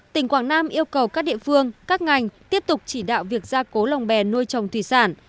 tỉnh quảng nam yêu cầu các địa phương các ngành tiếp tục chỉ đạo việc gia cố lồng bè nuôi trồng thủy sản